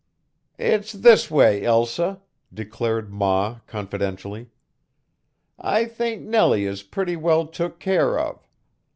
"It's this way, Elsa," declared ma confidentially. "I think Nellie is pretty well took care of.